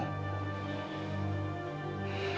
pasti saya menyebabkan itu semua ke kamu